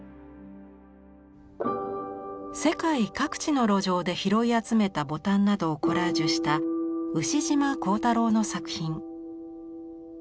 世界各地の路上で拾い集めたボタンなどをコラージュした牛島光太郎の作品。